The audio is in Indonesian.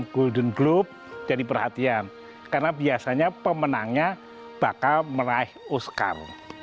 golden globe jadi perhatian karena biasanya pemenangnya bakal meraih oscar